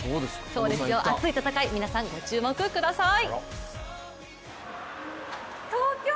熱い戦い、皆さんご注目ください！